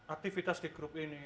aktivitas di grup ini